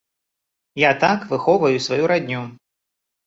Я так выхоўваю сваю радню.